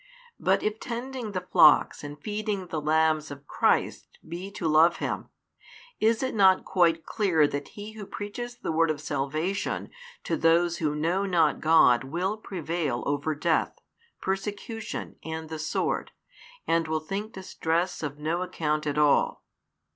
But if tending the flocks and feeding the lambs of Christ be to love Him, is it not quite clear that he who preaches the word of salvation to those who know not God will prevail over death, persecution, and the sword, and will think distress of no account at all?